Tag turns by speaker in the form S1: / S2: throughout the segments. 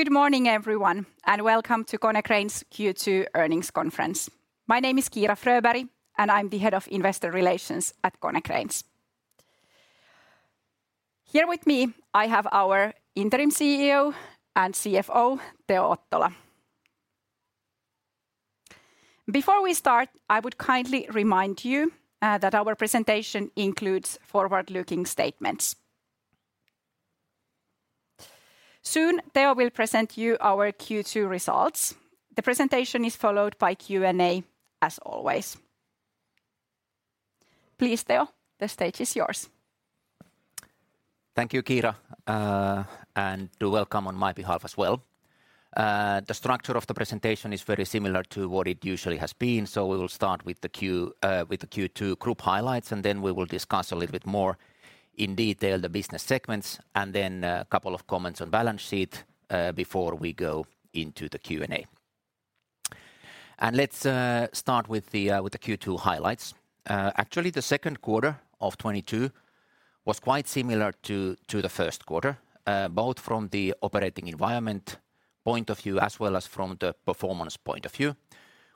S1: Good morning, everyone, and welcome to Konecranes Q2 Earnings Conference. My name is Kiira Fröberg, and I'm the head of investor relations at Konecranes. Here with me, I have our interim CEO and CFO, Teo Ottola. Before we start, I would kindly remind you that our presentation includes forward-looking statements. Soon, Teo will present you our Q2 results. The presentation is followed by Q&A, as always. Please, Teo, the stage is yours.
S2: Thank you, Kiira, and welcome on my behalf as well. The structure of the presentation is very similar to what it usually has been, so we will start with the Q2 group highlights, and then we will discuss a little bit more in detail the business segments, and then, a couple of comments on balance sheet, before we go into the Q&A. Let's start with the Q2 highlights. Actually, the second quarter of 2022 was quite similar to the first quarter, both from the operating environment point of view as well as from the performance point of view.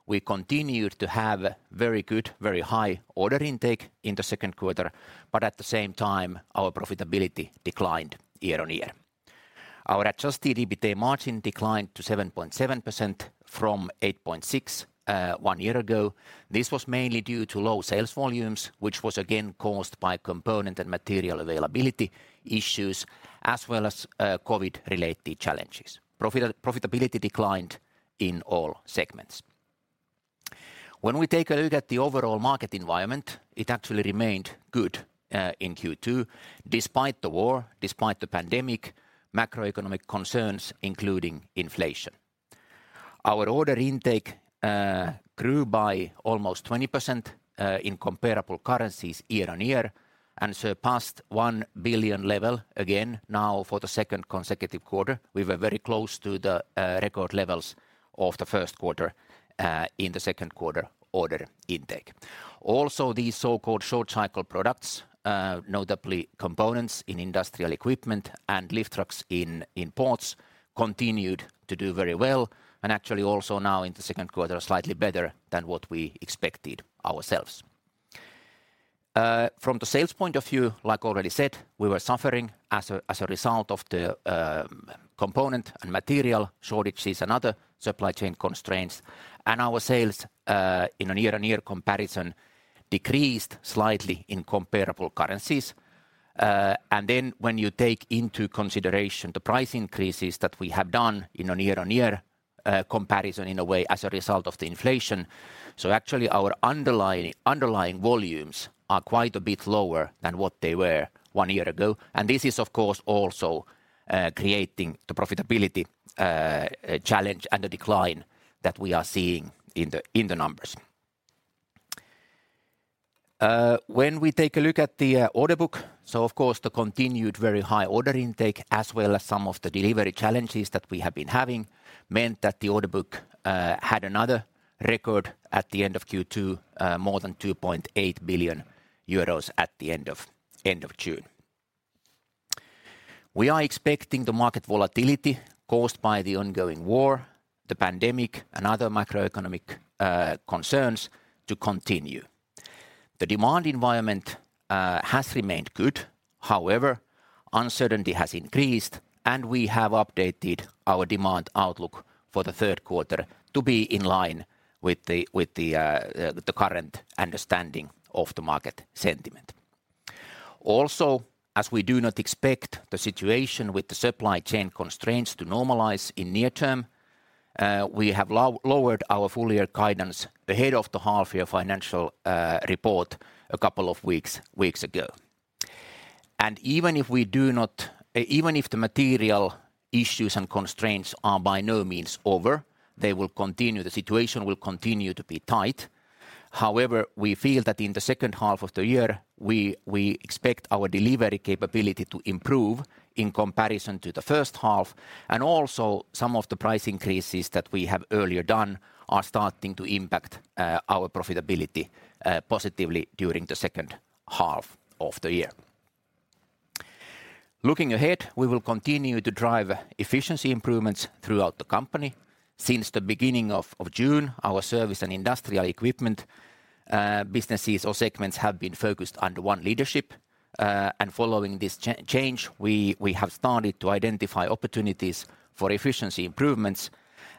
S2: We continued to have very good, very high order intake in the second quarter, but at the same time, our profitability declined year-on-year. Our adjusted EBITA margin declined to 7.7% from 8.6%, one year ago. This was mainly due to low sales volumes, which was again caused by component and material availability issues as well as COVID-related challenges. Profitability declined in all segments. When we take a look at the overall market environment, it actually remained good in Q2, despite the war, despite the pandemic, macroeconomic concerns including inflation. Our order intake grew by almost 20% in comparable currencies year-on-year and surpassed 1 billion level again now for the second consecutive quarter. We were very close to the record levels of the first quarter in the second quarter order intake. Also, the so-called short cycle products, notably components in industrial equipment and lift trucks in ports, continued to do very well and actually also now in the second quarter slightly better than what we expected ourselves. From the sales point of view, like already said, we were suffering as a result of the component and material shortages and other supply chain constraints. Our sales in a year-on-year comparison decreased slightly in comparable currencies. When you take into consideration the price increases that we have done in a year-on-year comparison in a way as a result of the inflation. Actually our underlying volumes are quite a bit lower than what they were one year ago, and this is of course also creating the profitability challenge and the decline that we are seeing in the numbers. When we take a look at the order book, of course the continued very high order intake as well as some of the delivery challenges that we have been having meant that the order book had another record at the end of Q2, more than 2.8 billion euros at the end of June. We are expecting the market volatility caused by the ongoing war, the pandemic and other macroeconomic concerns to continue. The demand environment has remained good, however, uncertainty has increased and we have updated our demand outlook for the third quarter to be in line with the current understanding of the market sentiment. Also, as we do not expect the situation with the supply chain constraints to normalize in near term, we have lowered our full year guidance ahead of the half year financial report a couple of weeks ago. Even if the material issues and constraints are by no means over, they will continue. The situation will continue to be tight. However, we feel that in the second half of the year, we expect our delivery capability to improve in comparison to the first half and also some of the price increases that we have earlier done are starting to impact our profitability positively during the second half of the year. Looking ahead, we will continue to drive efficiency improvements throughout the company. Since the beginning of June, our service and industrial equipment businesses or segments have been focused under one leadership. Following this change, we have started to identify opportunities for efficiency improvements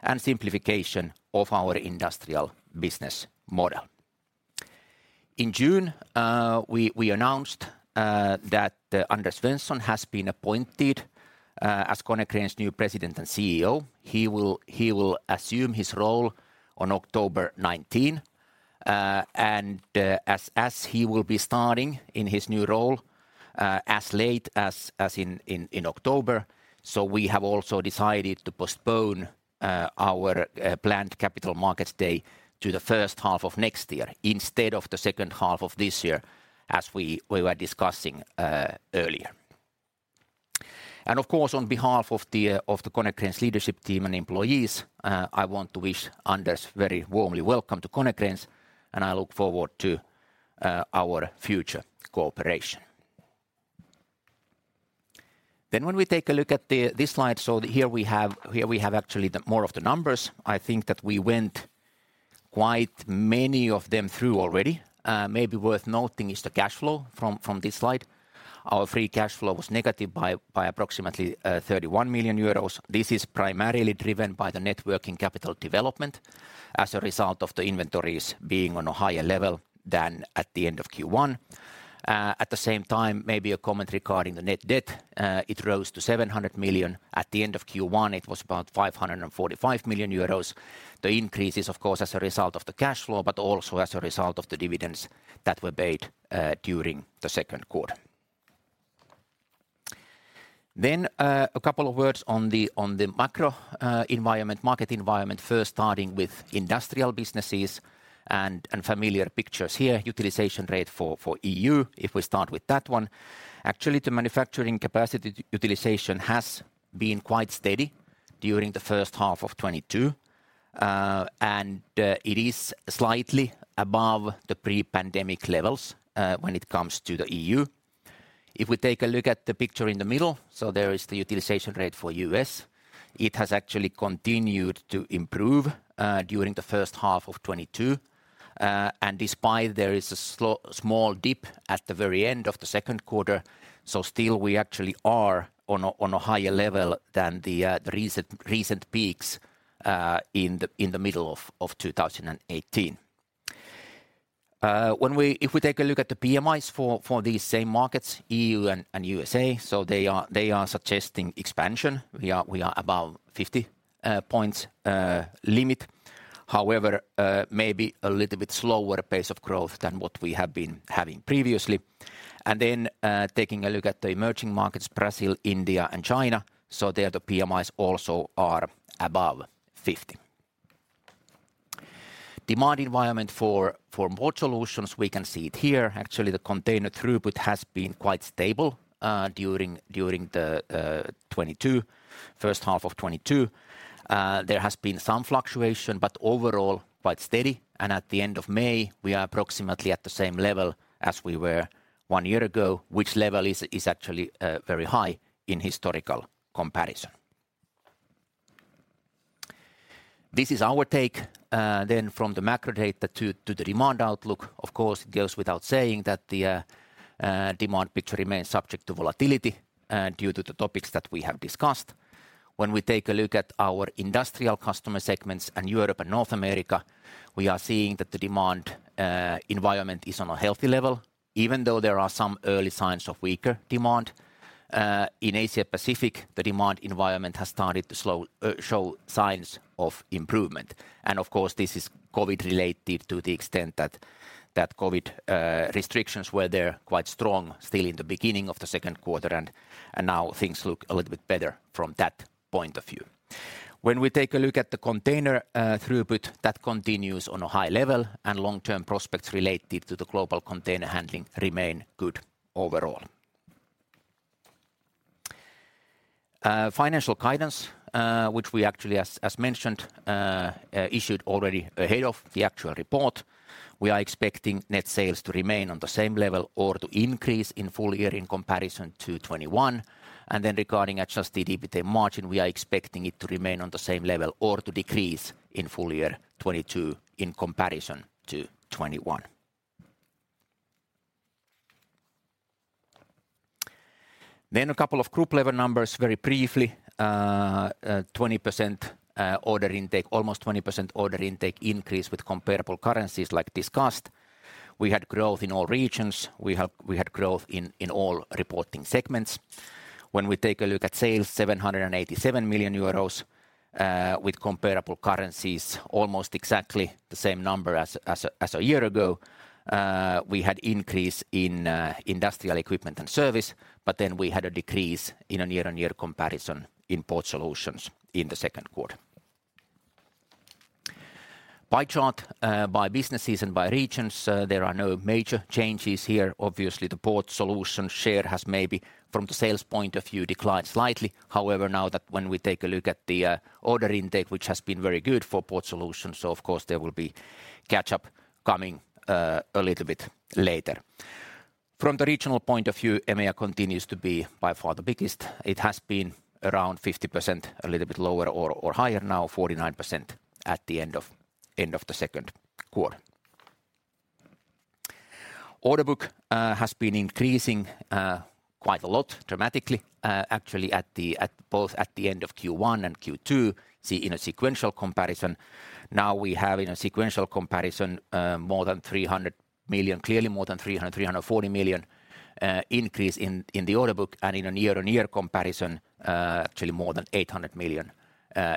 S2: and simplification of our industrial business model. In June, we announced that Anders Svensson has been appointed as Konecranes' new President and CEO. He will assume his role on October 19. He will be starting in his new role as late as October, so we have also decided to postpone our planned capital markets day to the first half of next year instead of the second half of this year, as we were discussing earlier. Of course, on behalf of the Konecranes leadership team and employees, I want to wish Anders a very warm welcome to Konecranes, and I look forward to our future cooperation. When we take a look at this slide, here we have actually more of the numbers. I think that we went through quite many of them already. Maybe worth noting is the cash flow from this slide. Our free cash flow was negative by approximately 31 million euros. This is primarily driven by the net working capital development as a result of the inventories being on a higher level than at the end of Q1. At the same time, maybe a comment regarding the net debt, it rose to 700 million. At the end of Q1, it was about 545 million euros. The increase is of course as a result of the cash flow, but also as a result of the dividends that were paid during the second quarter. A couple of words on the macro environment, market environment first starting with industrial businesses and familiar pictures here, utilization rate for EU, if we start with that one. Actually, the manufacturing capacity utilization has been quite steady during the first half of 2022, and it is slightly above the pre-pandemic levels, when it comes to the EU. If we take a look at the picture in the middle, there is the utilization rate for U.S., it has actually continued to improve during the first half of 2022, and despite there is a small dip at the very end of the second quarter, so still we actually are on a higher level than the recent peaks in the middle of 2018. If we take a look at the PMIs for these same markets, EU and U.S.A., so they are suggesting expansion. We are above 50 points limit. However, maybe a little bit slower pace of growth than what we have been having previously. Taking a look at the emerging markets, Brazil, India, and China, so there the PMIs also are above 50. Demand environment for Port Solutions, we can see it here. Actually, the container throughput has been quite stable during the first half of 2022. There has been some fluctuation, but overall quite steady, and at the end of May, we are approximately at the same level as we were one year ago, which level is actually very high in historical comparison. This is our take then from the macro data to the demand outlook. Of course, it goes without saying that the demand picture remains subject to volatility due to the topics that we have discussed. When we take a look at our industrial customer segments in Europe and North America, we are seeing that the demand environment is on a healthy level, even though there are some early signs of weaker demand. In Asia Pacific, the demand environment has started to show signs of improvement. Of course, this is COVID related to the extent that COVID restrictions were there quite strong still in the beginning of the second quarter and now things look a little bit better from that point of view. When we take a look at the container throughput, that continues on a high level, and long-term prospects related to the global container handling remain good overall. Financial guidance, which we actually, as mentioned, issued already ahead of the actual report, we are expecting net sales to remain on the same level or to increase in full-year in comparison to 2021. Regarding adjusted EBITA margin, we are expecting it to remain on the same level or to decrease in full-year 2022 in comparison to 2021. A couple of group-level numbers very briefly. Almost 20% order intake increase with comparable currencies like discussed. We had growth in all regions. We had growth in all reporting segments. When we take a look at sales, 787 million euros, with comparable currencies, almost exactly the same number as a year ago. We had increase in industrial equipment and service, but then we had a decrease in a year-on-year comparison in Port Solutions in the second quarter. Pie chart by businesses and by regions, there are no major changes here. Obviously, the Port Solutions share has maybe from the sales point of view declined slightly. However, now that when we take a look at the order intake, which has been very good for Port Solutions, of course, there will be catch-up coming a little bit later. From the regional point of view, EMEA continues to be by far the biggest. It has been around 50%, a little bit lower or higher now, 49% at the end of the second quarter. Order book has been increasing quite a lot dramatically actually at both ends of Q1 and Q2 in a sequential comparison. Now we have in a sequential comparison more than 300 million, clearly more than 300 million, 340 million increase in the order book and in a year-on-year comparison actually more than 800 million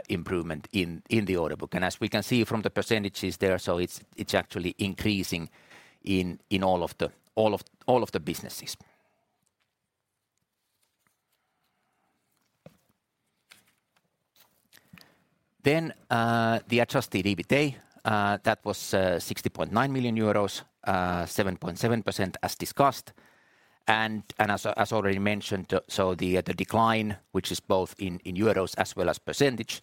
S2: improvement in the order book. As we can see from the percentages there, it's actually increasing in all of the businesses. The adjusted EBITA that was 60.9 million euros, 7.7% as discussed. As already mentioned, the decline, which is both in euros as well as percentage,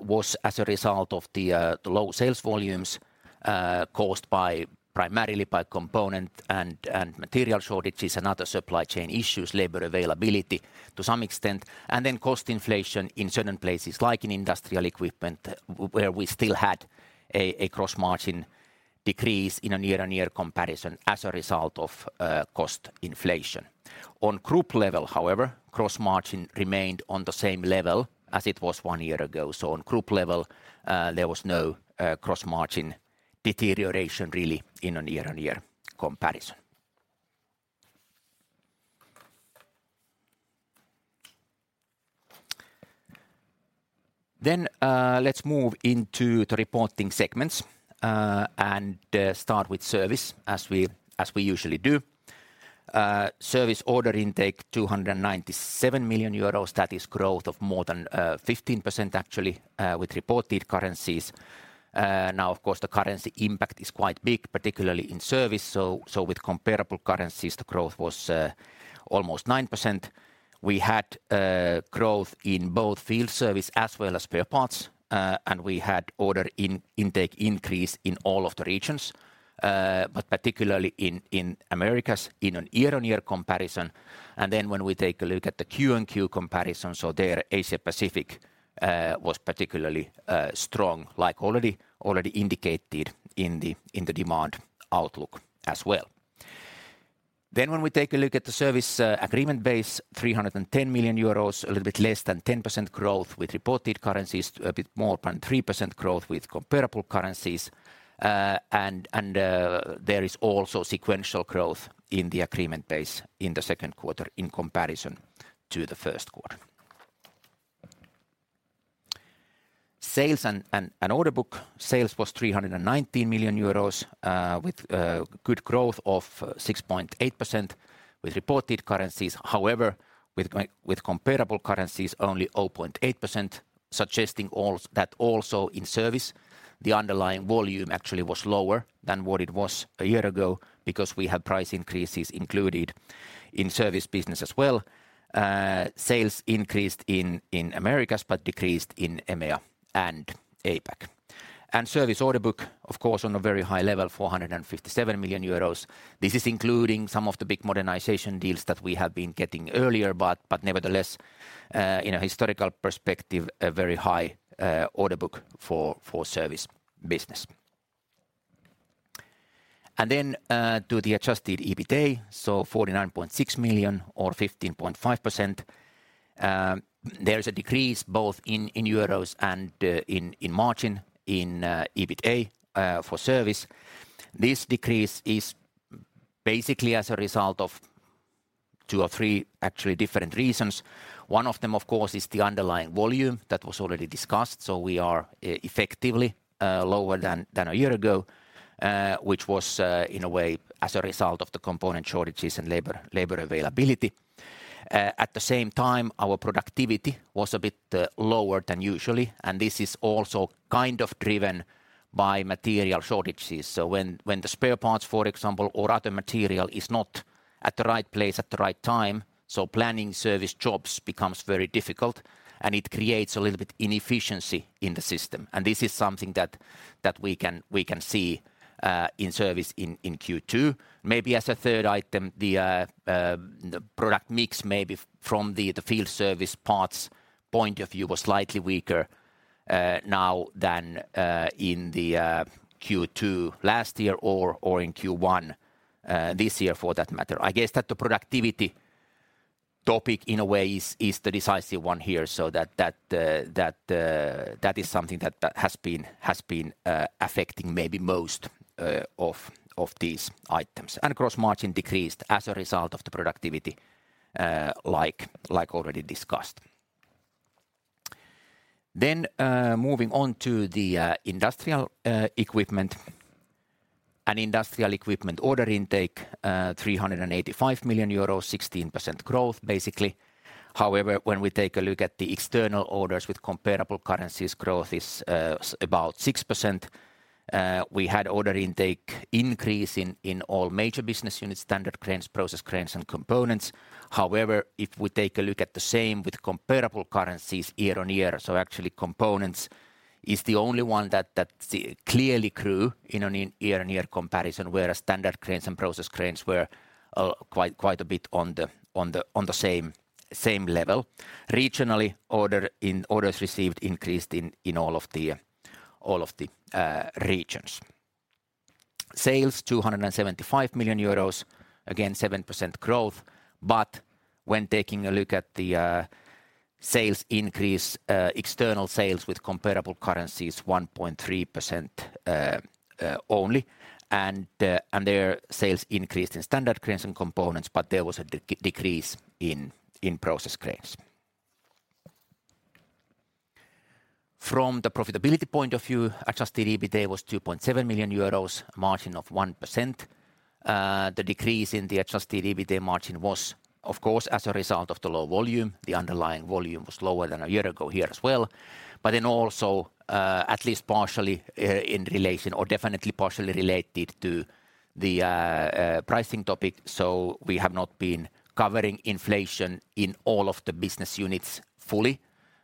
S2: was as a result of the low sales volumes caused primarily by component and material shortages and other supply chain issues, labor availability to some extent, and then cost inflation in certain places like in industrial equipment where we still had a gross-margin decrease in a year-on-year comparison as a result of cost inflation. On group level, however, gross margin remained on the same level as it was one year ago. On group level, there was no gross-margin deterioration really in a year-on-year comparison. Let's move into the reporting segments and start with service as we usually do. Service order intake 297 million euros. That is growth of more than 15% actually with reported currencies. Now, of course, the currency impact is quite big, particularly in service. With comparable currencies, the growth was almost 9%. We had growth in both field service as well as spare parts. We had order intake increase in all of the regions, but particularly in Americas in a year-on-year comparison. When we take a look at the Q&Q comparison, Asia Pacific was particularly strong like already indicated in the demand outlook as well. When we take a look at the service agreement base, 310 million euros, a little bit less than 10% growth with reported currencies to a bit more than 3% growth with comparable currencies. There is also sequential growth in the agreement base in the second quarter in comparison to the first quarter. Sales and order book. Sales was 319 million euros, with good growth of 6.8% with reported currencies. However, with comparable currencies only 0.8%, suggesting that also in service, the underlying volume actually was lower than what it was a year ago because we have price increases included in service business as well. Sales increased in Americas, but decreased in EMEA and APAC. Service order book, of course, on a very high level, 457 million euros. This is including some of the big modernization deals that we have been getting earlier, but nevertheless, in a historical perspective, a very high order book for service business. Then, to the adjusted EBITA, so 49.6 million or 15.5%. There is a decrease both in euros and in margin in EBITA for service. This decrease is basically as a result of two or three actually different reasons. One of them, of course, is the underlying volume that was already discussed. So we are effectively lower than a year ago, which was in a way as a result of the component shortages and labor availability. At the same time, our productivity was a bit lower than usually, and this is also kind of driven by material shortages. When the spare parts, for example, or other material is not at the right place at the right time, planning service jobs becomes very difficult and it creates a little bit inefficiency in the system. This is something that we can see in service in Q2. Maybe as a third item, the product mix, maybe from the field service parts point of view was slightly weaker now than in the Q2 last year or in Q1 this year for that matter. I guess that the productivity topic in a way is the decisive one here, so that is something that has been affecting maybe most of these items. Gross margin decreased as a result of the productivity, like already discussed. Moving on to the industrial equipment. Industrial equipment order intake, 385 million euros, 16% growth, basically. However, when we take a look at the external orders with comparable currencies, growth is about 6%. We had order intake increase in all major business units, Standard Cranes, Process Cranes, and Components. However, if we take a look at the same with comparable currencies year-over-year, so actually Components is the only one that clearly grew in a year-over-year comparison, whereas Standard Cranes and Process Cranes were quite a bit on the same level. Regionally, orders received increased in all of the regions. Sales 275 million euros. Again, 7% growth. When taking a look at the sales increase, external sales with comparable currencies 1.3% only. Their sales increased in Standard Cranes and Components, but there was a decrease in Process Cranes. From the profitability point of view, adjusted EBITA was 2.7 million euros, 1% margin. The decrease in the adjusted EBITA margin was, of course, as a result of the low volume. The underlying volume was lower than a year ago here as well. At least partially in relation or definitely partially related to the pricing topic. We have not been covering inflation in all of the business units fully.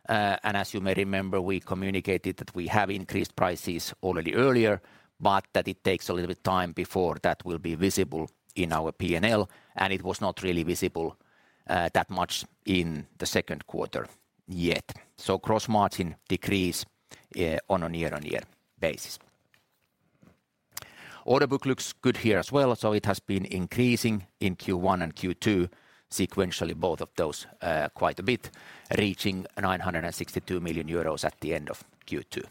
S2: As you may remember, we communicated that we have increased prices already earlier, but that it takes a little bit time before that will be visible in our P&L, and it was not really visible that much in the second quarter yet. Gross margin decrease on a year-on-year basis. Order book looks good here as well. It has been increasing in Q1 and Q2 sequentially, both of those, quite a bit, reaching 962 million euros at the end of Q2.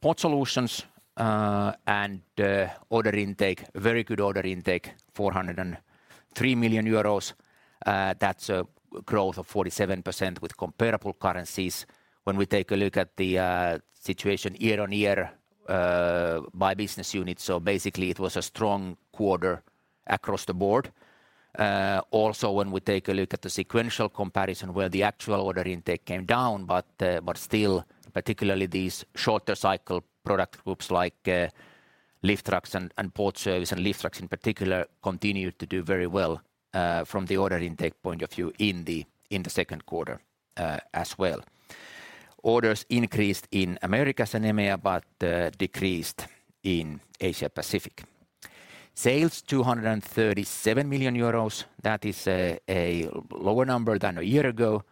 S2: Port Solutions order intake. Very good order intake, 403 million euros. That's a growth of 47% with comparable currencies. When we take a look at the situation year-on-year by business unit. Basically it was a strong quarter across the board. Also, when we take a look at the sequential comparison where the actual order intake came down, but still particularly these shorter cycle product groups like Lift Trucks and Port Services and Lift Trucks in particular continued to do very well from the order intake point of view in the second quarter as well. Orders increased in Americas and EMEA, but decreased in Asia Pacific. Sales, 237 million euros, that is a lower number than a year ago,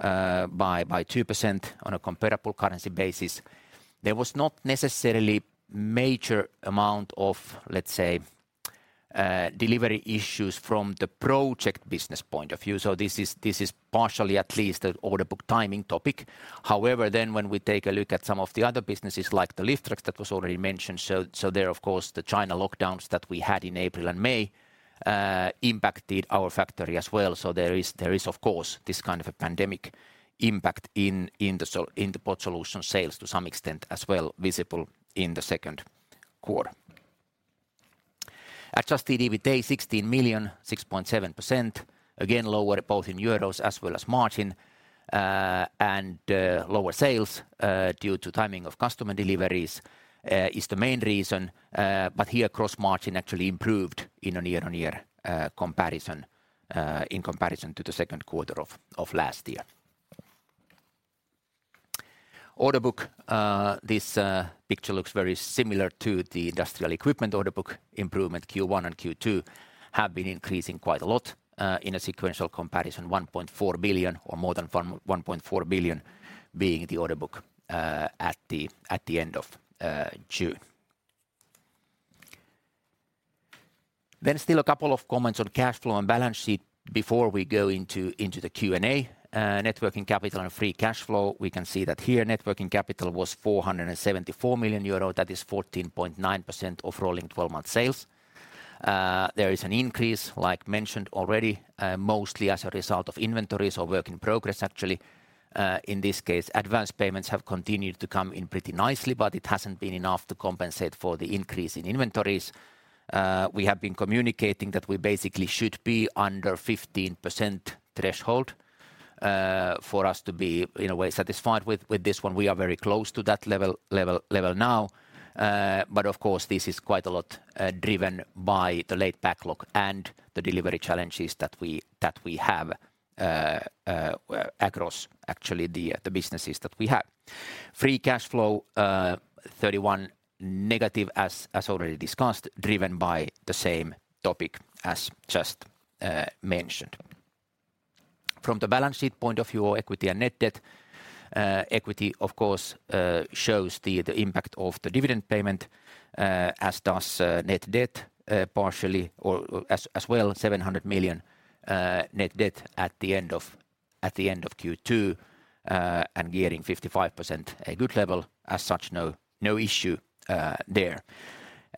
S2: by 2% on a comparable currency basis. There was not necessarily major amount of, let's say, delivery issues from the project business point of view. This is partially at least the order book timing topic. However, when we take a look at some of the other businesses like the Lift Trucks that was already mentioned, so there of course the China lockdowns that we had in April and May impacted our factory as well. So there is of course this kind of a pandemic impact in the Port Solutions sales to some extent as well visible in the second quarter. Adjusted EBITA, 16 million, 6.7%. Again, lower both in euros as well as margin. Lower sales due to timing of customer deliveries is the main reason. Here gross margin actually improved in a year-on-year comparison in comparison to the second quarter of last year. Order book, this picture looks very similar to the industrial equipment order book improvement. Q1 and Q2 have been increasing quite a lot in a sequential comparison, 1.4 billion or more than 1.4 billion being the order book at the end of June. Still a couple of comments on cash flow and balance sheet before we go into the Q&A. Net working capital and free cash flow, we can see that here net working capital was 474 million euro. That is 14.9% of rolling twelve-month sales. There is an increase, like mentioned already, mostly as a result of inventories or work in progress actually. In this case, advance payments have continued to come in pretty nicely, but it hasn't been enough to compensate for the increase in inventories. We have been communicating that we basically should be under 15% threshold, for us to be in a way satisfied with this one. We are very close to that level now. But of course this is quite a lot, driven by the large backlog and the delivery challenges that we have across actually the businesses that we have. Free cash flow -31, as already discussed, driven by the same topic as just mentioned. From the balance sheet point of view, equity and net debt. Equity of course shows the impact of the dividend payment, as does net debt, partially or as well, 700 million net debt at the end of Q2, and gearing 55% a good level. As such, no issue there.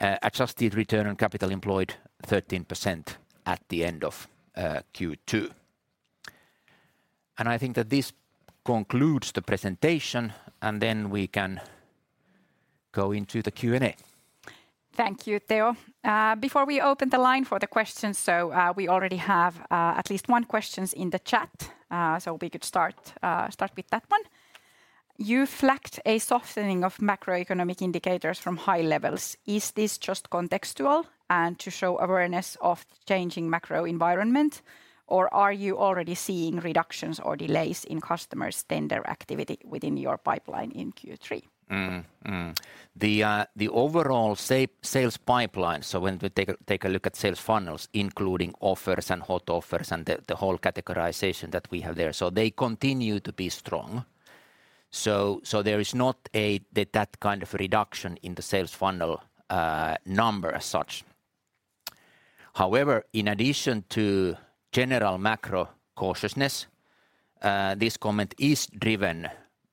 S2: Adjusted return on capital employed 13% at the end of Q2. I think that this concludes the presentation, and then we can go into the Q&A.
S1: Thank you, Teo. Before we open the line for the questions, we already have at least one question in the chat, so we could start with that one. You flagged a softening of macroeconomic indicators from high levels. Is this just contextual and to show awareness of the changing macro environment, or are you already seeing reductions or delays in customers' tender activity within your pipeline in Q3?
S2: The overall sales pipeline, so when we take a look at sales funnels, including offers and hot offers and the whole categorization that we have there, they continue to be strong. There is not that kind of reduction in the sales funnel number as such. However, in addition to general macro cautiousness, this comment is driven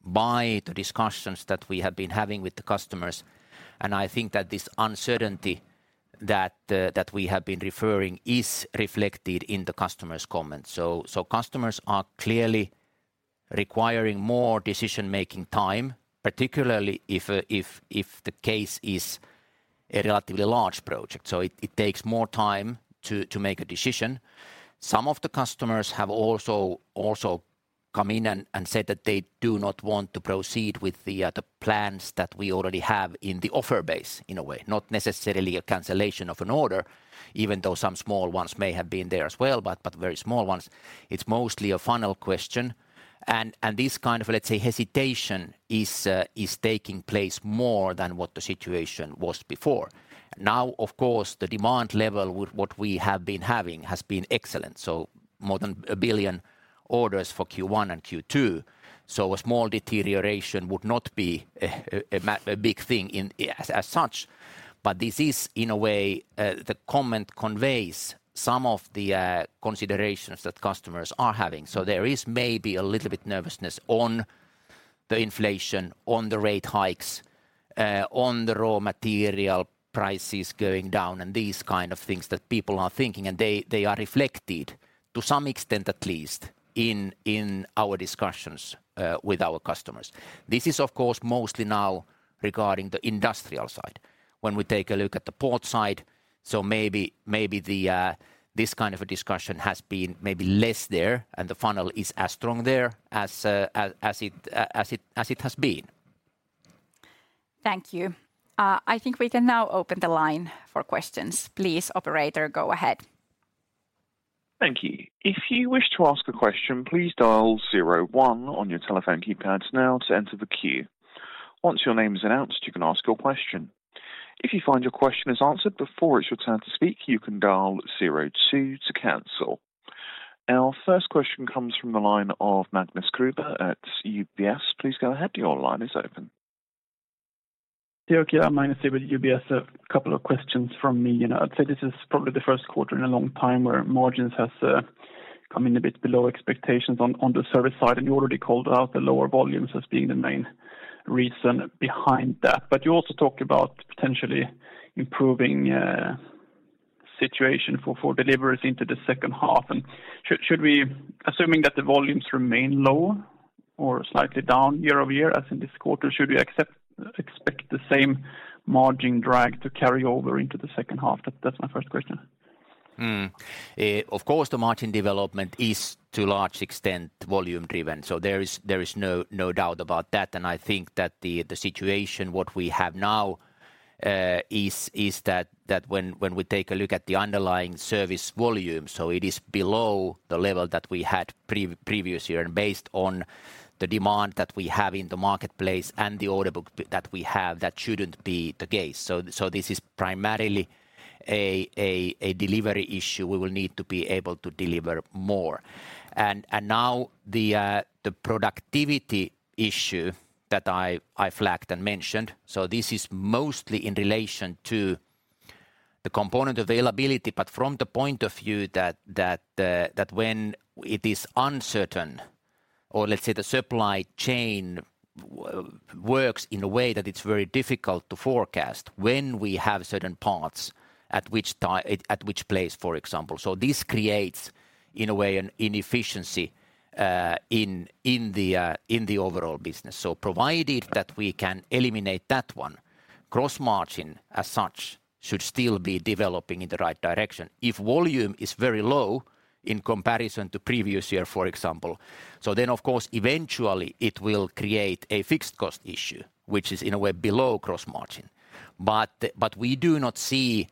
S2: by the discussions that we have been having with the customers. I think that this uncertainty that we have been referring is reflected in the customers' comments. Customers are clearly requiring more decision-making time, particularly if the case is a relatively large project. It takes more time to make a decision. Some of the customers have also come in and said that they do not want to proceed with the plans that we already have in the offer base in a way, not necessarily a cancellation of an order, even though some small ones may have been there as well, but very small ones. It's mostly a funnel question. This kind of, let's say, hesitation is taking place more than what the situation was before. Now, of course, the demand level with what we have been having has been excellent. So more than 1 billion orders for Q1 and Q2, so a small deterioration would not be a big thing in, as such. This is in a way, the comment conveys some of the considerations that customers are having. There is maybe a little bit nervousness on the inflation, on the rate hikes, on the raw material prices going down, and these kind of things that people are thinking, and they are reflected to some extent, at least, in our discussions with our customers. This is of course, mostly now regarding the industrial side. When we take a look at the port side, maybe this kind of a discussion has been maybe less there, and the funnel is as strong there as it has been.
S1: Thank you. I think we can now open the line for questions. Please, operator, go ahead.
S3: Thank you. If you wish to ask a question, please dial zero one on your telephone keypads now to enter the queue. Once your name is announced, you can ask your question. If you find your question is answered before it's your turn to speak, you can dial zero two to cancel. Our first question comes from the line of Magnus Kruber at UBS. Please go ahead. Your line is open.
S4: Yeah. Okay. Magnus here with UBS. A couple of questions from me. You know, I'd say this is probably the first quarter in a long time where margins has come in a bit below expectations on the service side, and you already called out the lower volumes as being the main reason behind that. But you also talked about potentially improving situation for deliveries into the second half. Assuming that the volumes remain low or slightly down year-over-year as in this quarter, should we expect the same margin drag to carry over into the second half? That's my first question.
S2: Of course, the margin development is to a large extent volume-driven. There is no doubt about that. I think that the situation, what we have now, is that when we take a look at the underlying service volume, so it is below the level that we had previously. Based on the demand that we have in the marketplace and the order book that we have, that shouldn't be the case. This is primarily a delivery issue we will need to be able to deliver more. Now the productivity issue that I flagged and mentioned, this is mostly in relation to the component availability, but from the point of view that when it is uncertain or let's say the supply chain works in a way that it's very difficult to forecast when we have certain parts at which place, for example. This creates, in a way, an inefficiency in the overall business. Provided that we can eliminate that one, gross margin as such should still be developing in the right direction. If volume is very low in comparison to previous year, for example, then of course, eventually it will create a fixed cost issue, which is in a way below gross margin. We do not see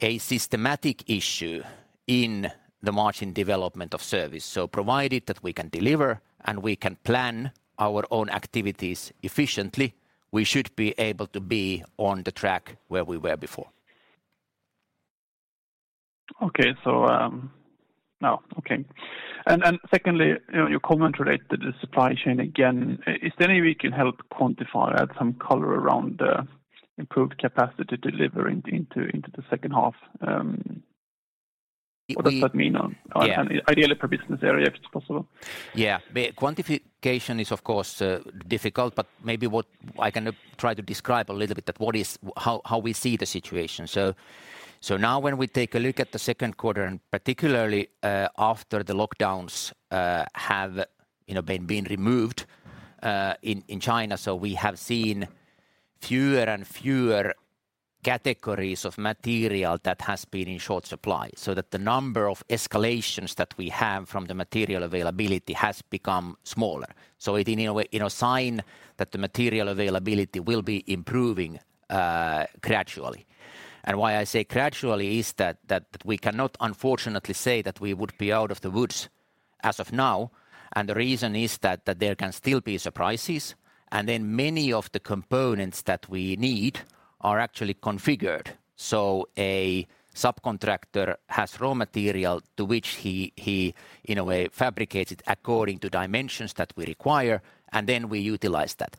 S2: a systematic issue in the margin development of service. Provided that we can deliver and we can plan our own activities efficiently, we should be able to be on the track where we were before.
S4: Secondly, you know, you comment related to supply chain again. Is there any way you can help quantify, add some color around the improved capacity delivery into the second half?
S2: We-
S4: What does that mean on-
S2: Yeah.
S4: Ideally per business area, if it's possible.
S2: Yeah. The quantification is, of course, difficult, but maybe what I can try to describe a little bit how we see the situation. Now when we take a look at the second quarter, and particularly, after the lockdowns have, you know, been removed, in China, so we have seen fewer and fewer categories of material that has been in short supply. That the number of escalations that we have from the material availability has become smaller. It in a way, you know, sign that the material availability will be improving, gradually. Why I say gradually is that we cannot, unfortunately say that we would be out of the woods as of now. The reason is that there can still be surprises, and then many of the components that we need are actually configured. A subcontractor has raw material to which he in a way fabricates it according to dimensions that we require, and then we utilize that.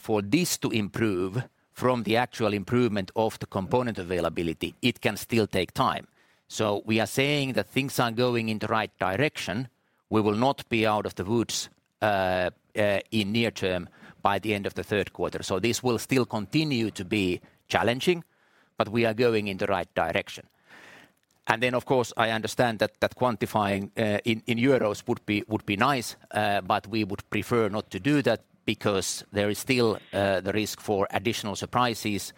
S2: For this to improve from the actual improvement of the component availability, it can still take time. We are saying that things are going in the right direction. We will not be out of the woods in near term by the end of the third quarter. This will still continue to be challenging, but we are going in the right direction. Of course, I understand that quantifying in euros would be nice, but we would prefer not to do that because there is still the risk for additional surprises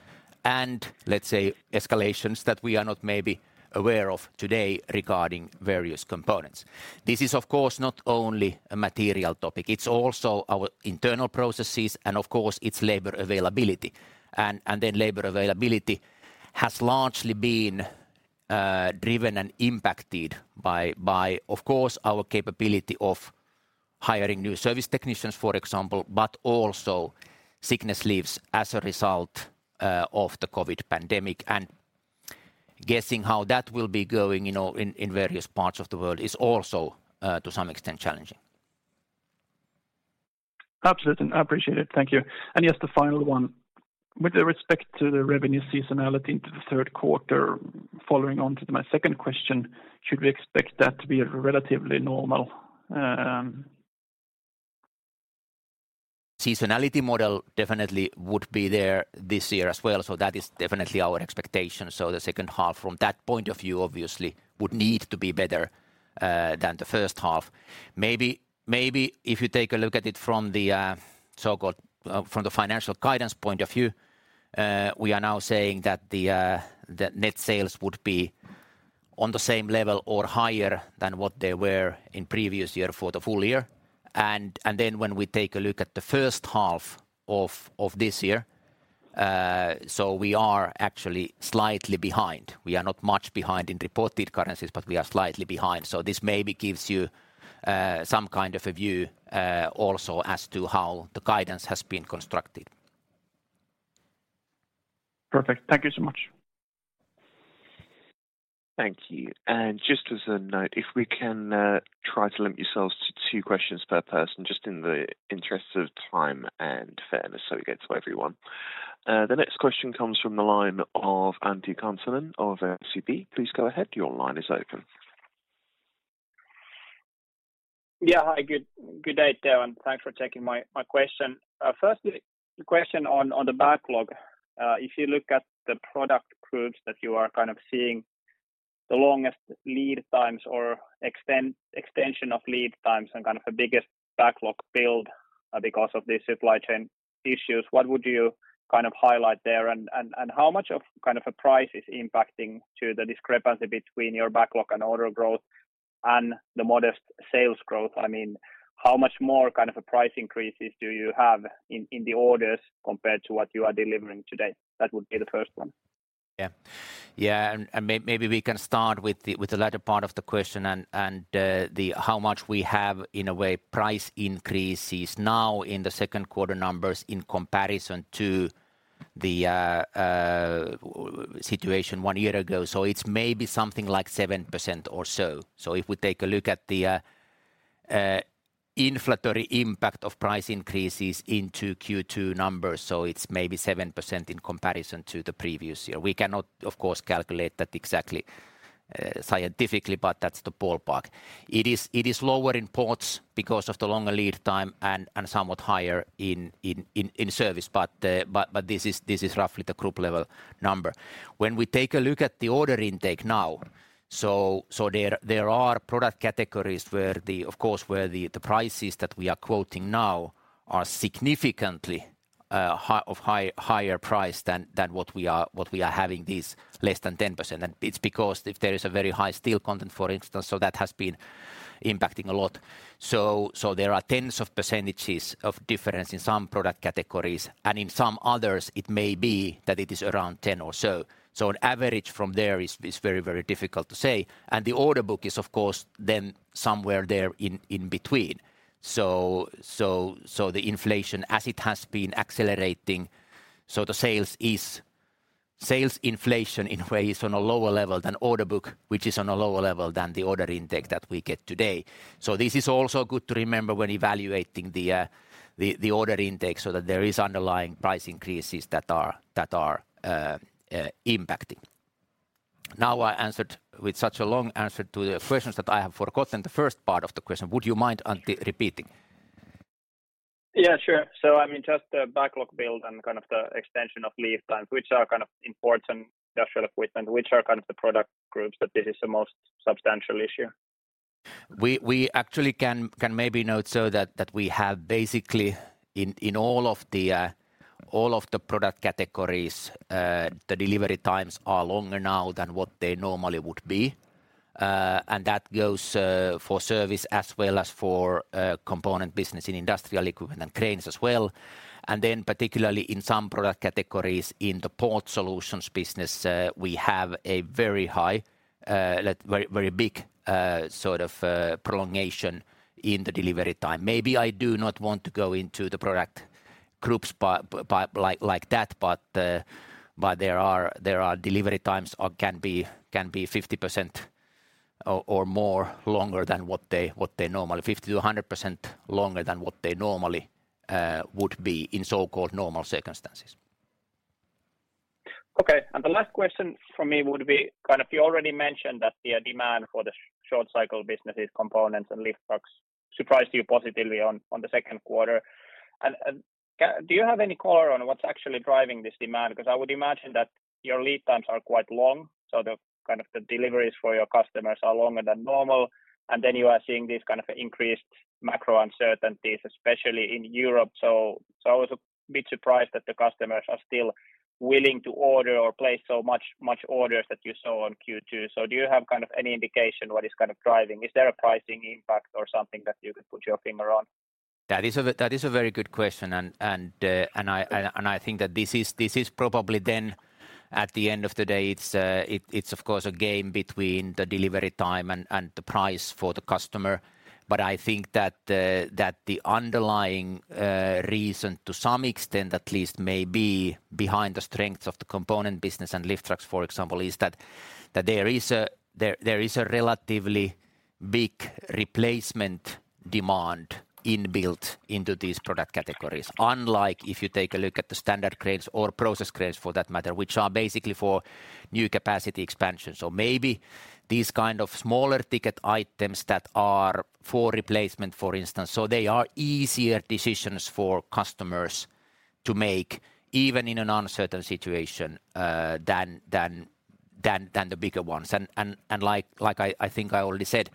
S2: and let's say escalations that we are not maybe aware of today regarding various components. This is of course not only a material topic, it's also our internal processes and of course its labor availability. Labor availability has largely been driven and impacted by of course our capability of hiring new service technicians, for example, but also sickness leaves as a result of the COVID pandemic. Guessing how that will be going, you know, in various parts of the world is also to some extent challenging.
S4: Absolutely. I appreciate it. Thank you. Just the final one: With respect to the revenue seasonality in the third quarter, following on to my second question, should we expect that to be a relatively normal?
S2: Seasonality model definitely would be there this year as well. That is definitely our expectation. The second half from that point of view obviously would need to be better than the first half. Maybe if you take a look at it from the so-called financial guidance point of view, we are now saying that the net sales would be on the same level or higher than what they were in previous year for the full year. Then when we take a look at the first half of this year, we are actually slightly behind. We are not much behind in reported currencies, but we are slightly behind. This maybe gives you some kind of a view also as to how the guidance has been constructed.
S4: Perfect. Thank you so much.
S3: Thank you. Just as a note, if we can, try to limit yourselves to two questions per person, just in the interest of time and fairness, so we get to everyone. The next question comes from the line of Antti Kansanen of SEB. Please go ahead. Your line is open.
S5: Yeah. Hi. Good day, Teo, and thanks for taking my question. First the question on the backlog. If you look at the product groups that you are kind of seeing the longest lead times or extension of lead times and kind of the biggest backlog build, because of the supply chain issues, what would you kind of highlight there? How much of kind of a price is impacting to the discrepancy between your backlog and order growth and the modest sales growth? I mean, how much more kind of a price increases do you have in the orders compared to what you are delivering today? That would be the first one.
S2: Yeah. Yeah. Maybe we can start with the latter part of the question and how much we have, in a way, price increases now in the second quarter numbers in comparison to the situation one year ago. It's maybe something like 7% or so. If we take a look at the inflationary impact of price increases into Q2 numbers, it's maybe 7% in comparison to the previous year. We cannot, of course, calculate that exactly, scientifically, but that's the ballpark. It is lower in ports because of the longer lead time and somewhat higher in service. This is roughly the group level number. When we take a look at the order intake now, there are product categories where, of course, the prices that we are quoting now are significantly higher than what we are having this less than 10%. It's because if there is a very high steel content, for instance, that has been impacting a lot. There are tens of percentage points of difference in some product categories, and in some others it may be that it is around 10% or so. An average from there is very difficult to say. The order book is of course then somewhere there in between. The inflation as it has been accelerating, sales inflation in a way is on a lower level than order book, which is on a lower level than the order intake that we get today. This is also good to remember when evaluating the order intake so that there is underlying price increases that are impacting. Now, I answered with such a long answer to the questions that I have forgotten the first part of the question. Would you mind, Antti, repeating?
S5: Yeah, sure. I mean just the backlog build and kind of the extension of lead times, which are kind of important industrial equipment, which are kind of the product groups that this is the most substantial issue.
S2: We actually can maybe note so that we have basically in all of the product categories the delivery times are longer now than what they normally would be. That goes for service as well as for component business in industrial equipment and cranes as well. Particularly in some product categories in the Port Solutions business, we have a very high, like very, very big sort of prolongation in the delivery time. Maybe I do not want to go into the product groups by like that, but there are delivery times or can be 50% or more longer than what they normally would be, 50%-100% longer than what they normally would be in so-called normal circumstances.
S5: Okay. The last question from me would be kind of you already mentioned that the demand for the short cycle businesses, Components and Lift Trucks surprised you positively on the second quarter. Do you have any color on what's actually driving this demand? Because I would imagine that your lead times are quite long, so the kind of the deliveries for your customers are longer than normal, and then you are seeing these kind of increased macro uncertainties, especially in Europe. I was a bit surprised that the customers are still willing to order or place so many orders that you saw on Q2. Do you have kind of any indication what is kind of driving? Is there a pricing impact or something that you could put your finger on?
S2: That is a very good question. I think that this is probably then at the end of the day, it's of course a game between the delivery time and the price for the customer. I think that the underlying reason to some extent, at least may be behind the strengths of the Components business and Lift Trucks, for example, is that there is a relatively big replacement demand inbuilt into these product categories. Unlike if you take a look at the Standard Cranes or Process Cranes for that matter, which are basically for new capacity expansions. Maybe these kind of smaller ticket items that are for replacement, for instance. They are easier decisions for customers to make even in an uncertain situation than the bigger ones. Like I think I already said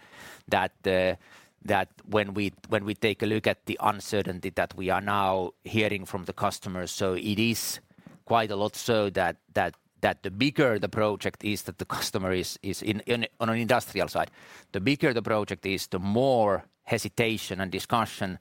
S2: that when we take a look at the uncertainty that we are now hearing from the customers, it is quite a lot so that the bigger the project is that the customer is in on an industrial side. The bigger the project is, the more hesitation and discussion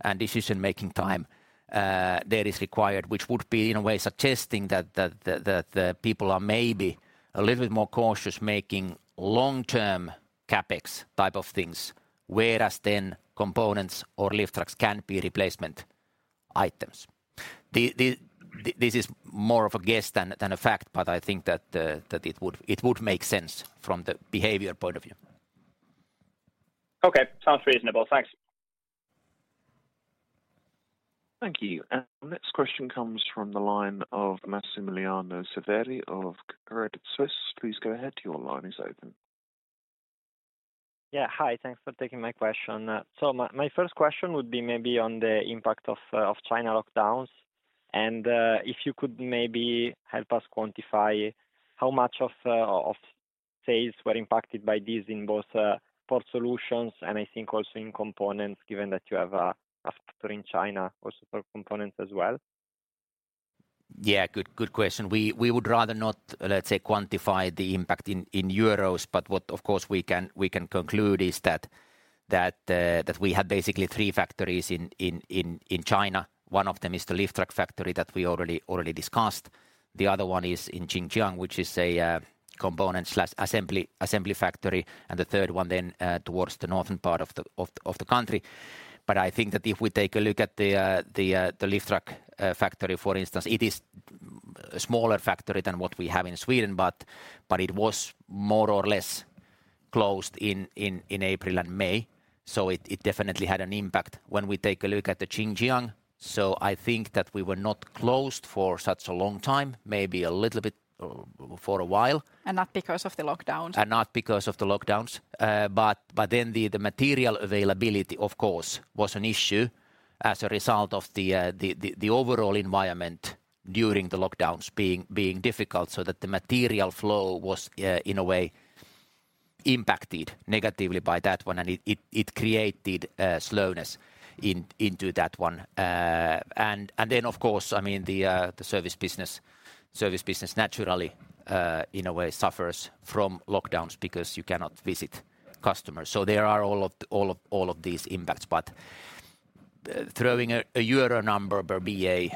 S2: and decision-making time there is required, which would be in a way suggesting that people are maybe a little bit more cautious making long-term CapEx type of things, whereas then Components or Lift Trucks can be replacement items. This is more of a guess than a fact, but I think that it would make sense from the behavior point of view.
S5: Okay. Sounds reasonable. Thanks.
S3: Thank you. Our next question comes from the line of Massimiliano Severi of Credit Suisse. Please go ahead. Your line is open.
S6: Yeah. Hi. Thanks for taking my question. My first question would be maybe on the impact of China lockdowns, and if you could maybe help us quantify how much of sales were impacted by this in both Port Solutions and I think also in Components, given that you have a factory in China also for Components as well.
S2: Yeah. Good question. We would rather not, let's say, quantify the impact in euros, but what of course we can conclude is that we have basically three factories in China. One of them is the lift truck factory that we already discussed. The other one is in Xinxiang, which is a component/assembly factory, and the third one then towards the northern part of the country. I think that if we take a look at the lift truck factory, for instance, it is a smaller factory than what we have in Sweden, but it was more or less closed in April and May. It definitely had an impact. When we take a look at the Xinxiang, so I think that we were not closed for such a long time, maybe a little bit for a while.
S1: Not because of the lockdowns.
S2: Not because of the lockdowns. The material availability of course was an issue as a result of the overall environment during the lockdowns being difficult so that the material flow was in a way impacted negatively by that one, and it created slowness into that one. Of course, I mean the service business naturally in a way suffers from lockdowns because you cannot visit customers. There are all of these impacts. Throwing a euro number per BA,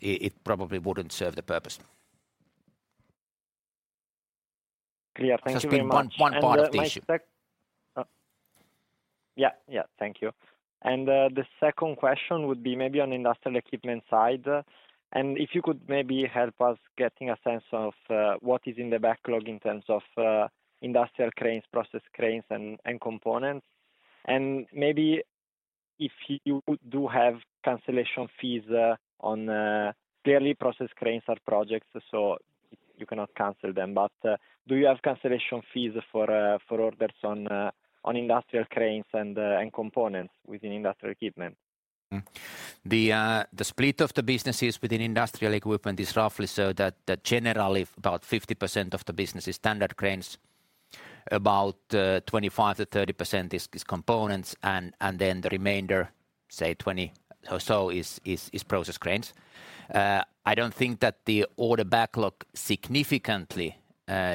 S2: it probably wouldn't serve the purpose.
S6: Clear. Thank you very much.
S2: It's been one part issue.
S6: The second question would be maybe on industrial equipment side. If you could maybe help us getting a sense of what is in the backlog in terms of industrial cranes, Process Cranes and Components. Maybe if you do have cancellation fees on clearly Process Cranes are projects, so you cannot cancel them. Do you have cancellation fees for orders on industrial cranes and Components within industrial equipment?
S2: The split of the businesses within industrial equipment is roughly so that generally about 50% of the business is Standard Cranes. About 25%-30% is Components, and then the remainder, say 20 or so, is Process Cranes. I don't think that the order backlog significantly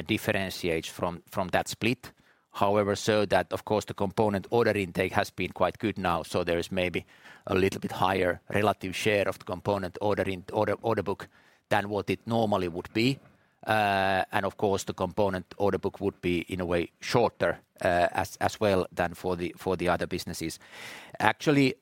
S2: differentiates from that split. However, that of course the Component order intake has been quite good now, so there is maybe a little bit higher relative share of the Component order in order book than what it normally would be. And of course, the Component order book would be in a way shorter as well than for the other businesses. Actually,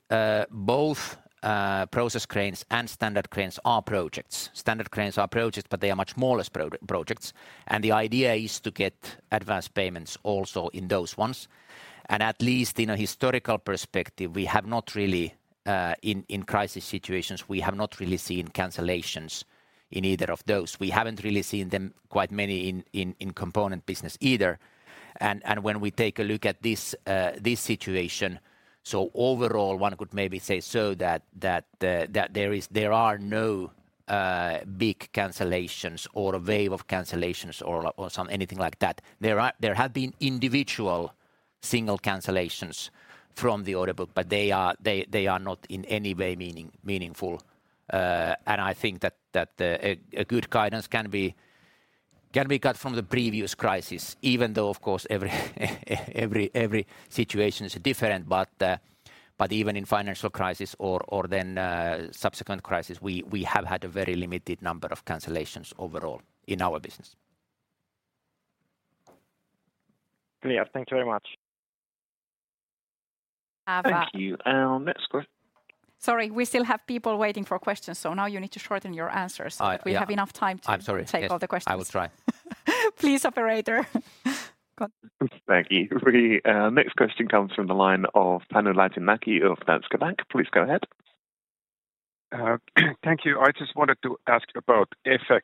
S2: both Process Cranes and Standard Cranes are projects. Standard Cranes are projects, but they are much more or less pro-projects, and the idea is to get advanced payments also in those ones. At least in a historical perspective, we have not really in crisis situations, we have not really seen cancellations in either of those. We haven't really seen them that many in Components business either. When we take a look at this situation, overall, one could maybe say so that there are no big cancellations or a wave of cancellations or anything like that. There have been individual single cancellations from the order book, but they are not in any way meaningful. I think that a good guidance can be got from the previous crisis even though, of course, every situation is different. Even in financial crisis or then subsequent crisis, we have had a very limited number of cancellations overall in our business.
S6: Clear. Thank you very much.
S3: Thank you.
S1: Sorry, we still have people waiting for questions, so now you need to shorten your answers.
S2: Yeah.
S1: so that we have enough time to.
S2: I'm sorry. Yes
S1: Take all the questions.
S2: I will try.
S1: Please, operator. Go on.
S3: Thank you. The next question comes from the line of Panu Laitinmäki of Danske Bank. Please go ahead.
S7: Thank you. I just wanted to ask about FX.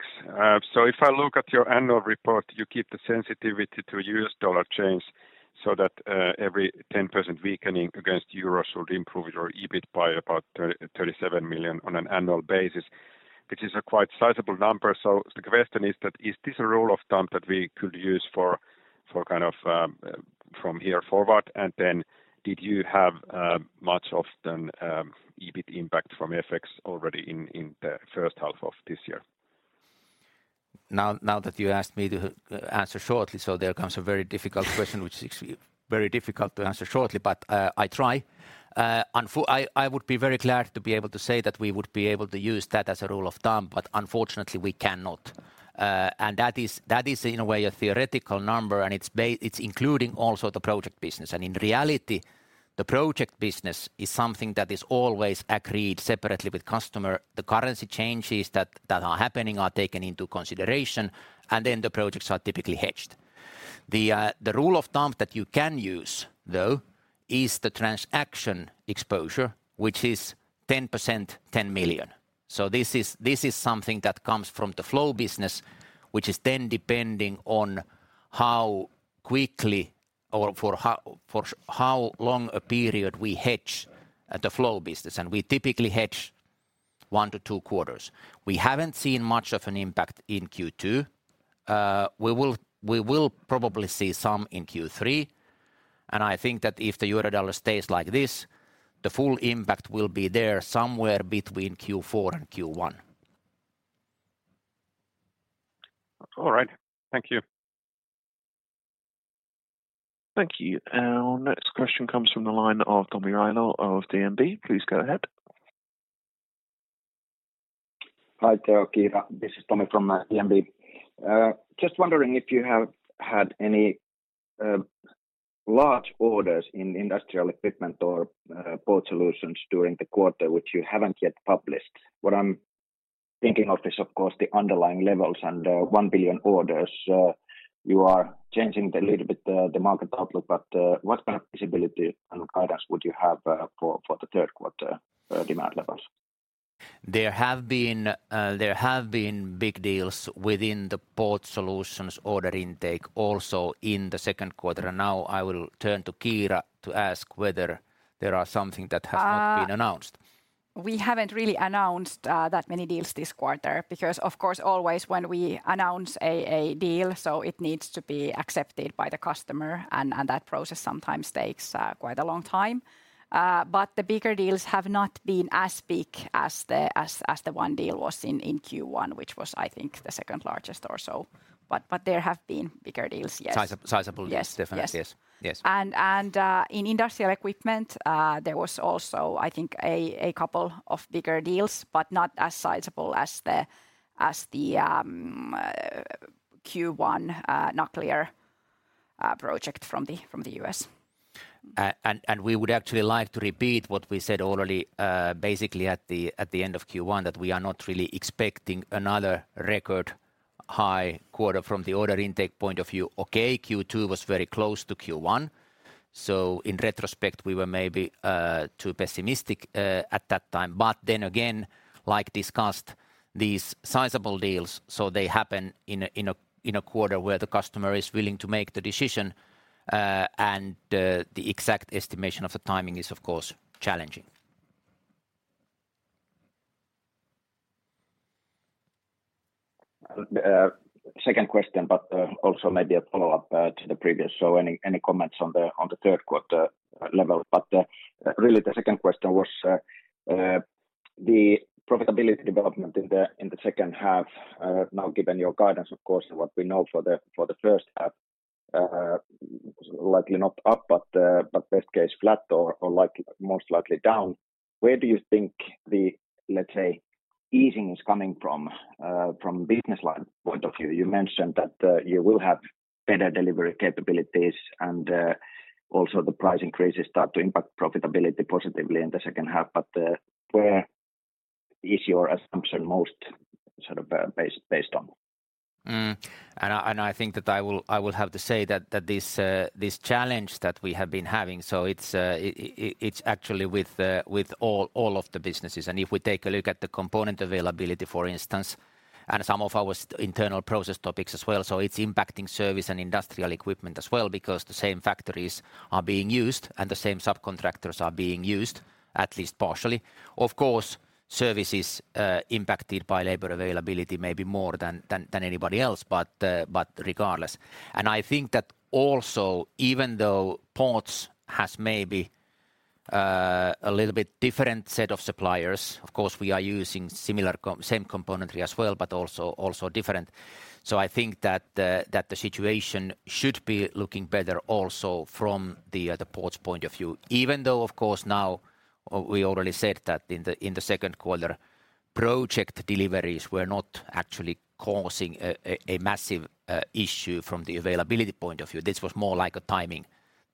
S7: If I look at your annual report, you keep the sensitivity to U.S. dollar change so that every 10% weakening against euro should improve your EBIT by about 37 million on an annual basis, which is a quite sizable number. The question is that is this a rule of thumb that we could use for kind of from here forward? Did you have much of an EBIT impact from FX already in the first half of this year?
S2: Now that you asked me to answer shortly, there comes a very difficult question which is very difficult to answer shortly, but I try. Unfortunately, I would be very glad to be able to say that we would be able to use that as a rule of thumb, but unfortunately we cannot. That is in a way a theoretical number, and it's including also the project business. In reality, the project business is something that is always agreed separately with customer. The currency changes that are happening are taken into consideration, and then the projects are typically hedged. The rule of thumb that you can use though is the transaction exposure, which is 10%, 10 million. This is something that comes from the flow business, which is then depending on how quickly or for how long a period we hedge the flow business, and we typically hedge one to two quarters. We haven't seen much of an impact in Q2. We will probably see some in Q3, and I think that if the euro/dollar stays like this, the full impact will be there somewhere between Q4 and Q1.
S7: All right. Thank you.
S3: Thank you. Our next question comes from the line of Tomi Railo of DNB. Please go ahead.
S8: Hi there, Kiira Fröberg. This is Tomi Railo from DNB. Just wondering if you have had any large orders in industrial equipment or Port Solutions during the quarter, which you haven't yet published. What I'm thinking of is, of course, the underlying levels and 1 billion orders. You are changing it a little bit, the market outlook, but what kind of visibility and guidance would you have for the third quarter demand levels?
S2: There have been big deals within the Port Solutions order intake also in the second quarter. Now I will turn to Kiira to ask whether there are something that has not been announced.
S1: We haven't really announced that many deals this quarter because, of course, always when we announce a deal, so it needs to be accepted by the customer and that process sometimes takes quite a long time. The bigger deals have not been as big as the one deal was in Q1, which was I think the second-largest or so. There have been bigger deals, yes.
S2: Sizable deals.
S1: Yes
S2: Definitely. Yes.
S1: Yes.
S2: Yes.
S1: In industrial equipment, there was also I think a couple of bigger deals, but not as sizable as the Q1 nuclear project from the U.S.
S2: We would actually like to repeat what we said already, basically at the end of Q1, that we are not really expecting another record high quarter from the order intake point of view. Okay, Q2 was very close to Q1. In retrospect we were maybe too pessimistic at that time. Again, like discussed, these sizable deals, so they happen in a quarter where the customer is willing to make the decision. The exact estimation of the timing is of course challenging.
S8: Second question, but also maybe a follow-up to the previous. Any comments on the third quarter level? Really the second question was the profitability development in the second half. Now given your guidance, of course, and what we know for the first half, likely not up, but best case flat or like most likely down, where do you think the, let's say, easing is coming from business line point of view? You mentioned that you will have better delivery capabilities, and also the price increases start to impact profitability positively in the second half. Where is your assumption most sort of based on?
S2: I think that I will have to say that this challenge that we have been having, so it's actually with all of the businesses. If we take a look at the component availability, for instance, and some of our internal process topics as well. It's impacting service and industrial equipment as well because the same factories are being used and the same subcontractors are being used, at least partially. Of course, service is impacted by labor availability, maybe more than anybody else, but regardless. I think that also, even though ports has maybe a little bit different set of suppliers, of course, we are using similar same componentry as well, but also different. I think that the situation should be looking better also from the port's point of view. Even though, of course, now, we already said that in the second quarter, project deliveries were not actually causing a massive issue from the availability point of view. This was more like a timing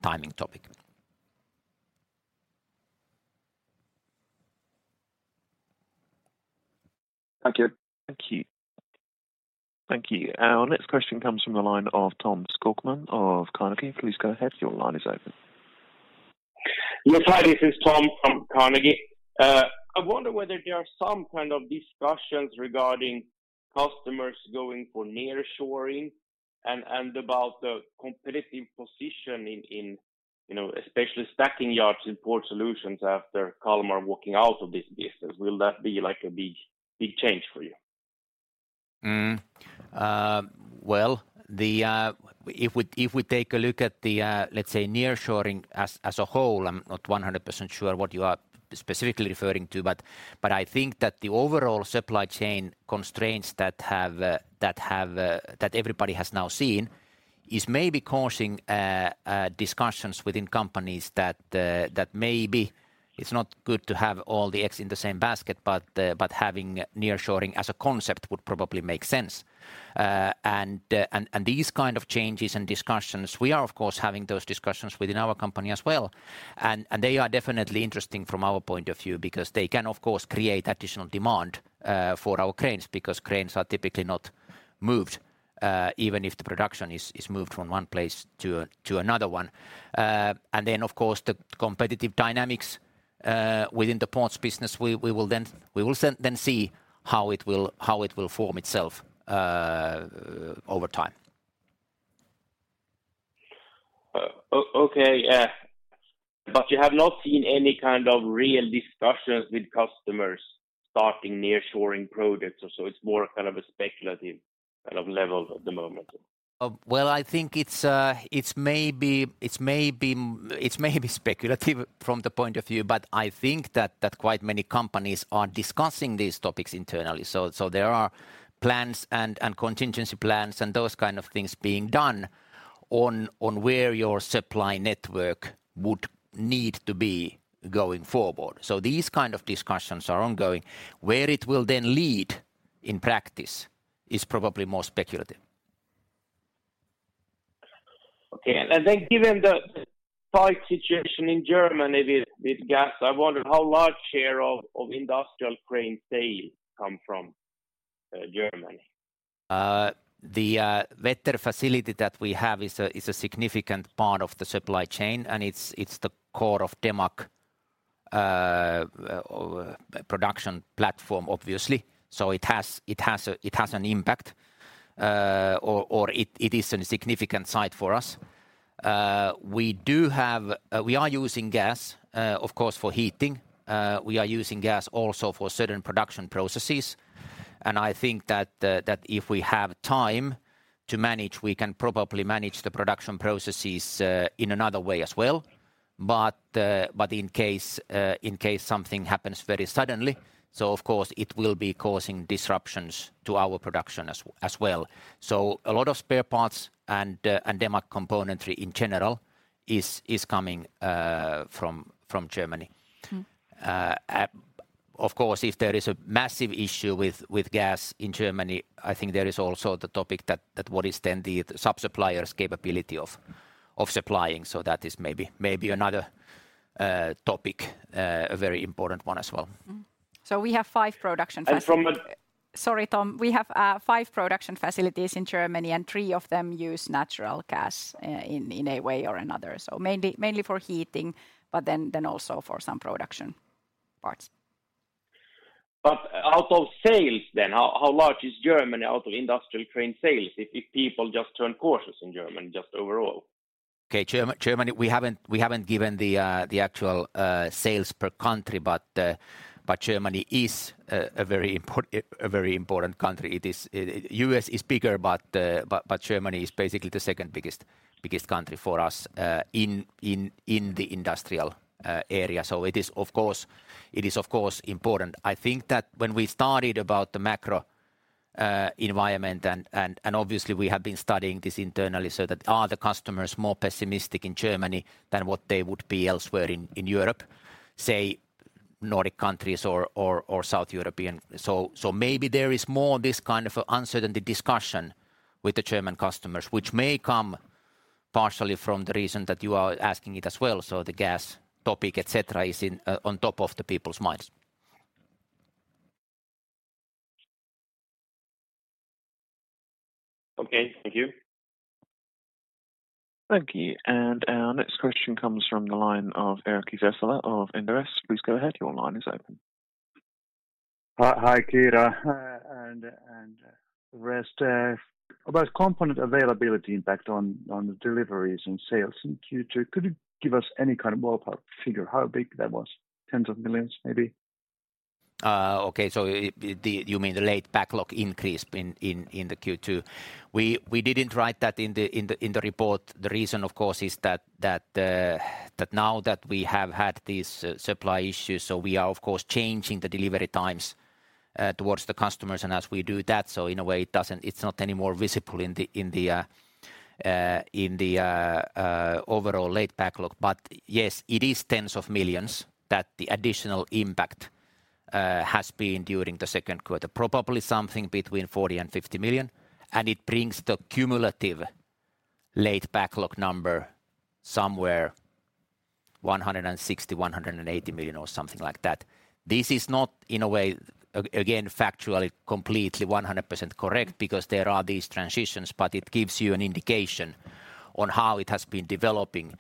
S2: topic.
S8: Thank you.
S3: Thank you. Thank you. Our next question comes from the line of Tom Skogman of Carnegie. Please go ahead. Your line is open.
S9: Yes. Hi, this is Tom from Carnegie. I wonder whether there are some kind of discussions regarding customers going for nearshoring and about the competitive position in you know, especially stacking yards in Port Solutions after Kalmar are walking out of this business. Will that be like a big change for you?
S2: Well, if we take a look at, let's say, nearshoring as a whole, I'm not 100% sure what you are specifically referring to. But I think that the overall supply chain constraints that everybody has now seen is maybe causing discussions within companies that maybe it's not good to have all the eggs in the same basket. But having nearshoring as a concept would probably make sense. These kind of changes and discussions, we are of course having those discussions within our company as well. They are definitely interesting from our point of view because they can of course create additional demand for our cranes because cranes are typically not moved even if the production is moved from one place to another one. Of course the competitive dynamics within the port's business. We will then see how it will form itself over time.
S9: Okay. Yeah. You have not seen any kind of real discussions with customers starting nearshoring projects or so. It's more kind of a speculative kind of level at the moment?
S2: Well, I think it's maybe speculative from the point of view, but I think that quite many companies are discussing these topics internally. There are plans and contingency plans and those kind of things being done on where your supply network would need to be going forward. These kind of discussions are ongoing. Where it will then lead in practice is probably more speculative.
S9: Okay. Given the tight situation in Germany with gas, I wonder how large share of industrial crane sales come from Germany?
S2: The Wetter facility that we have is a significant part of the supply chain, and it's the core of Demag production platform, obviously. It has an impact, or it is a significant site for us. We are using gas, of course, for heating. We are using gas also for certain production processes. I think that if we have time to manage, we can probably manage the production processes in another way as well. In case something happens very suddenly, so of course it will be causing disruptions to our production as well. A lot of spare parts and Demag componentry in general is coming from Germany. Of course, if there is a massive issue with gas in Germany, I think there is also the topic that what is then the sub-supplier's capability of supplying. That is maybe another topic, a very important one as well.
S1: We have five production facilities.
S9: And from a-
S1: Sorry, Tom. We have five production facilities in Germany, and three of them use natural gas in a way or another. Mainly for heating, but then also for some production parts.
S9: Out of sales then, how large is Germany out of industrial crane sales if people just turn to us in Germany just overall?
S2: Okay. Germany, we haven't given the actual sales per country, but Germany is a very important country. U.S. is bigger, but Germany is basically the second-biggest country for us in the industrial area. It is, of course, important. I think that when we started about the macro environment and obviously we have been studying this internally so that are the customers more pessimistic in Germany than what they would be elsewhere in Europe, say Nordic countries or South European. Maybe there is more this kind of uncertainty discussion with the German customers which may come partially from the reason that you are asking it as well. The gas topic, et cetera, is on top of the people's minds.
S9: Okay. Thank you.
S3: Thank you. Our next question comes from the line of Erkki Vesola of Inderes. Please go ahead. Your line is open.
S10: Hi, Kiira, and the rest. About component availability impact on the deliveries and sales in Q2, could you give us any kind of ballpark figure how big that was? tens of millions, maybe?
S2: Okay. You mean the late backlog increase in the Q2. We didn't write that in the report. The reason, of course, is that now that we have had these supply issues, so we are of course changing the delivery times towards the customers. As we do that, in a way, it's not any more visible in the overall late backlog. Yes, it is tens of millions that the additional impact has been during the second quarter, probably something between 40 million and 50 million, and it brings the cumulative late backlog number somewhere 160 million-180 million or something like that. This is not, in a way, again, factually completely 100% correct because there are these transitions, but it gives you an indication on how it has been developing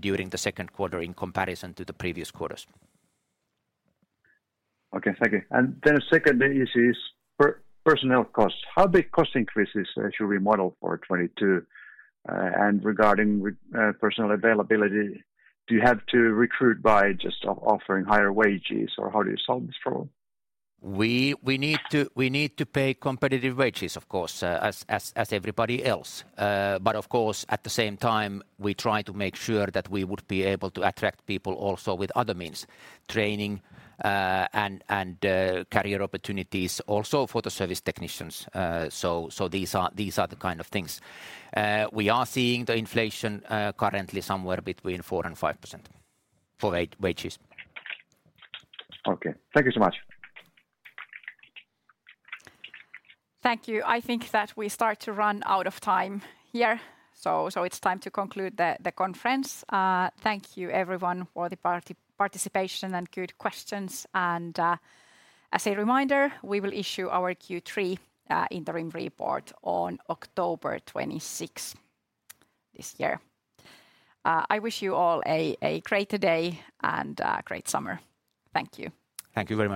S2: during the second quarter in comparison to the previous quarters.
S10: Okay. Thank you. The second issue is personnel costs. How big cost increases should we model for 2022? Regarding personnel availability, do you have to recruit by just offering higher wages or how do you solve this problem?
S2: We need to pay competitive wages, of course, as everybody else. Of course, at the same time, we try to make sure that we would be able to attract people also with other means, training, and career opportunities also for the service technicians. These are the kind of things. We are seeing the inflation currently somewhere between 4% and 5% for wages.
S10: Okay. Thank you so much.
S1: Thank you. I think that we start to run out of time here. It's time to conclude the conference. Thank you everyone for the participation and good questions. As a reminder, we will issue our Q3 interim report on October 26 this year. I wish you all a great day and great summer. Thank you.
S2: Thank you very much.